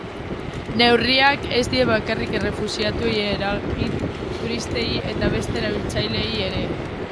Neurriak ez die bakarrik errefuxiatuei eragin, turistei eta beste erabiltzaileei ere.